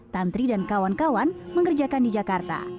tantri dan kawan kawan mengerjakan di jakarta